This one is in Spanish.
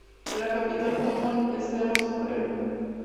La capital comunal es Cerro Sombrero.